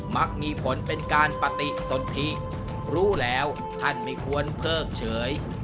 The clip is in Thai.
มักมีผลเป็นการปฏิสนทิรู้แล้วท่านไม่ควรเพิกเฉย